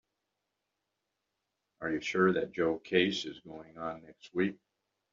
Are you sure that Joe case is going on next week?